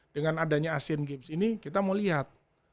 dengan adanya asian games ini kita mau lihat